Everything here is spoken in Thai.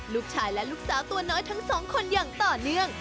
ลูกชายและลูกสาวตัวน้อยทั้งสองคนอย่างต่อเนื่อง